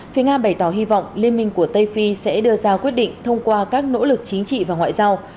phía nga bày tỏ hy vọng liên minh của tây phi sẽ đưa ra quyết định thông qua các nỗ lực chính trị và ngoại giao